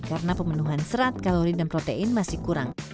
karena pemenuhan serat kalori dan protein masih kurang